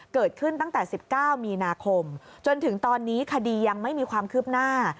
เกิดขึ้นตั้งแต่๑๙มีนาคมจนถึงตอนนี้คดียังไม่มีความคืบหน้า